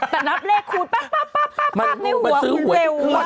แต่นับเลขกูนปั้กปั้กในหัวครูเร็วมาก